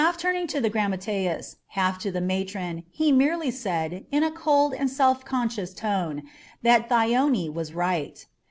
Turning half to the grammateus, half to the matron, he merely said, in a cold, self conscious tone, that Thyone was right.